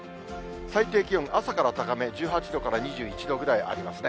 最低気温、朝から高め、１８度から２１度ぐらいありますね。